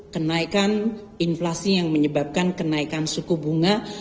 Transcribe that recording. kenaikan inflasi yang menyebabkan kenaikan suku bunga